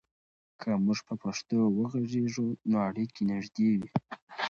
که موږ په پښتو وغږیږو، نو اړیکې نږدې وي.